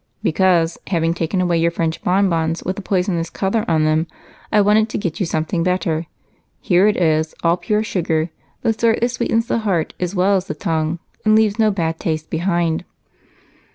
"Because, having taken away your French bonbons with the poisonous color on them, I wanted to get you something better. Here it is, all pure sugar, the sort that sweetens the heart as well as the tongue and leaves no bad taste behind."